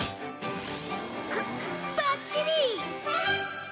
あっバッチリ！